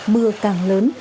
mưa càng lớn